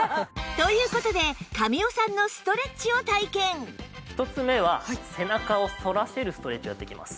という事で１つ目は背中を反らせるストレッチをやっていきます。